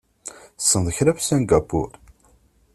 Tessneḍ kra ɣef Singapur?